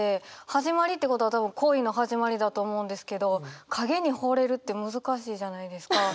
「始まり」ってことは多分恋の始まりだと思うんですけど影にほれるって難しいじゃないですか。